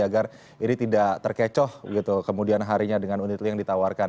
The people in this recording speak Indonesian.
agar ini tidak terkecoh gitu kemudian harinya dengan unit link ditawarkan